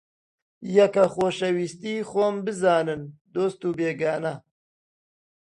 یەکە خۆشەویستی خۆم بزانن دۆست و بێگانە